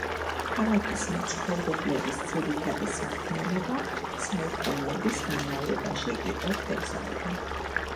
ქალაქის მცხოვრებლების ძირითადი საქმიანობა საუკუნეების განმავლობაში იყო თევზაობა.